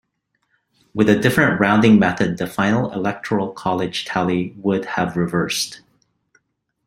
With a different rounding method the final electoral college tally would have reversed.